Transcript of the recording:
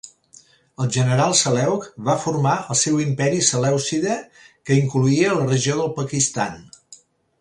El general Seleuc va formar el seu Imperi selèucida, que incloïa la regió del Pakistan.